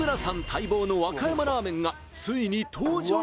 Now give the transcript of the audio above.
待望の和歌山ラーメンがついに登場！